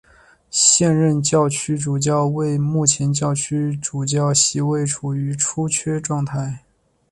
现任教区主教为目前教区主教席位处于出缺状态。